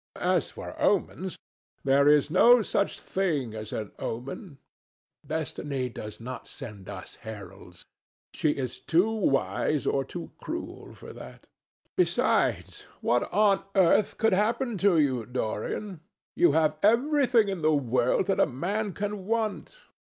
As for omens, there is no such thing as an omen. Destiny does not send us heralds. She is too wise or too cruel for that. Besides, what on earth could happen to you, Dorian? You have everything in the world that a man can want.